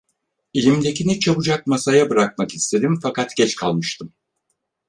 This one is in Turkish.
Elimdekini çabucak masaya bırakmak istedim, fakat geç kalmıştım.